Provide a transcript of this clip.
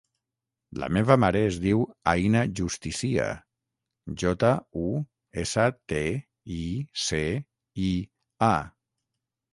La meva mare es diu Aïna Justicia: jota, u, essa, te, i, ce, i, a.